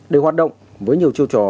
để hoạt động với nhiều chiêu trò